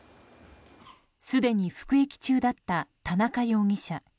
すでに服役中だった田中容疑者。